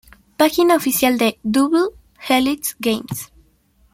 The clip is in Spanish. Página oficial de Double Helix Games